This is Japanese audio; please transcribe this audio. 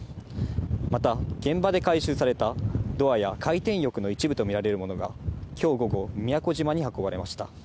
また、現場で回収されたドアや回転翼の一部と見られるものが、きょう午後、宮古島に運ばれました。